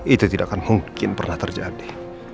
itu tidak akan mungkin pernah terjadi